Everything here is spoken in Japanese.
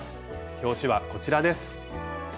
表紙はこちらです。